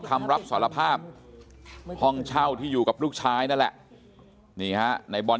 คำรับสารภาพห้องเช่าที่อยู่กับลูกชายนั่นแหละนี่ฮะในบอล